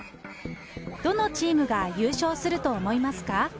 どのチームが優勝すると思いますか？